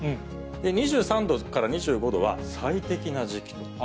２３度から２５度は最適な時期と。